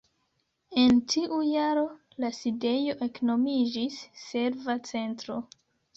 En tiu jaro la sidejo eknomiĝis "Serva Centro".